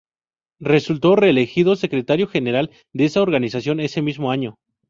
Resultó reelegido secretario general de esa organización ese mismo año.